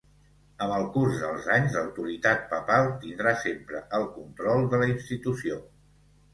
Amb el curs dels anys l'autoritat papal tindrà sempre el control de la institució.